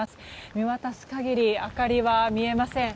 見渡す限り明かりは見えません。